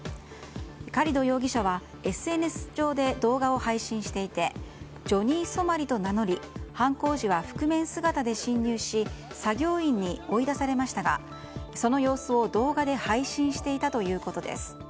カリド容疑者はＳＮＳ上で動画を配信していてジョニー・ソマリと名乗り犯行時は覆面姿で侵入し作業員に追い出されましたがその様子を動画で配信していたということです。